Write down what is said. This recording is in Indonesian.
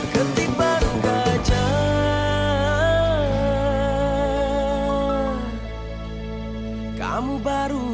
ketibaan gajah kamu baru tahu